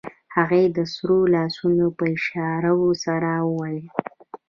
هغې د سرو لاسونو په اشارو څه وويل.